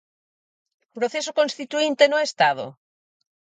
Proceso constituínte no Estado?